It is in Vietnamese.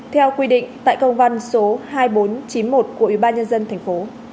theo quy định tại công văn số hai nghìn bốn trăm chín mươi một của ubnd tp hcm